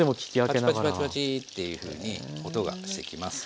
パチパチパチパチっていうふうに音がしてきます。